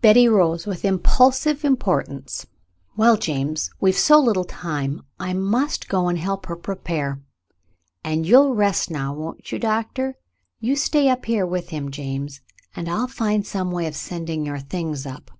Betty rose with impulsive importance. "Well, James, we've so little time, I must go and help her prepare. And you'll rest now, won't you. Doctor ? You stay up here with him, James, and I'll find some way of sending your things up."